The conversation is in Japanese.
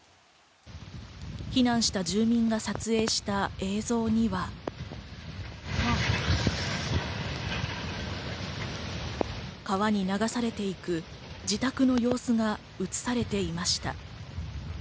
避難した住民が撮影した映像には、川に流されていく自宅の様子が映されていました。